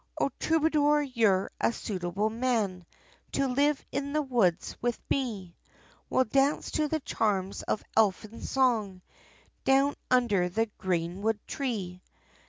"O troubadour, you're a suitable man, To live in the woods with me, We'll dance to the charms of elphin song, Down under the greenwood tree."